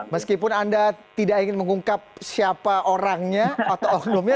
meskipun anda tidak ingin mengungkap siapa orangnya atau oknumnya